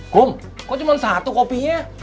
kum kok cuma satu kopinya